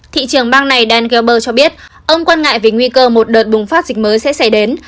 thị trưởng bang này dan gelber cho biết ông quan ngại về nguy cơ một đợt bùng phát dịch mới sẽ xảy đến